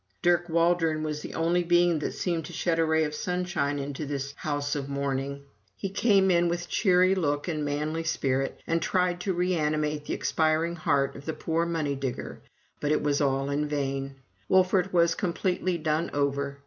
Dirk Waldron was the only being that seemed to shed a ray of sunshine into this house of mourning. He came in with cheery look and manly spirit, and tried to reanimate the expiring heart of the poor money digger, but it was all in vain. Wolfert was completely done over.